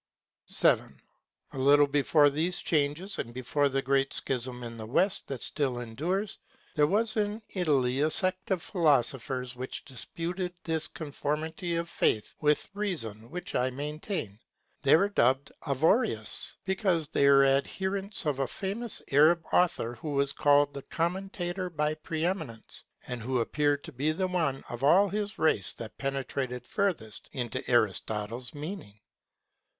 7. A little before these changes, and before the great schism in the West that still endures, there was in Italy a sect of philosophers which disputed this conformity of faith with reason which I maintain. They were dubbed 'Averroists' because they were adherents of a famous Arab author, who was called the Commentator by pre eminence, and who appeared to be the one of all his race that penetrated furthest into Aristotle's meaning.